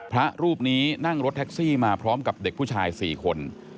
พระรูปนี้นั่งรถแท็กซี่มาพร้อมกับเด็กผู้ชาย๔คน